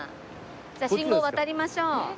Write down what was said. じゃあ信号渡りましょう。